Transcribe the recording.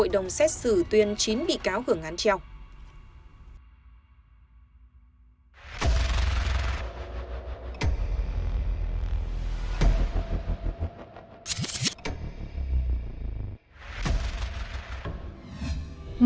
hội đồng xét xử tòa án nhân dân thành phố hải phòng cáo vũ xuân thắng hai mươi năm tù nguyễn văn đức một mươi ba năm tù nguyễn quang vinh một mươi năm năm tù nguyễn quang vinh một mươi năm năm tù